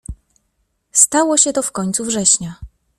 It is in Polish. "Stało się to w końcu września."